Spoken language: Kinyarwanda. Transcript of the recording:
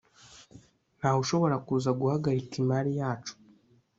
ntawe ushobora kuza guhagarika imari yacu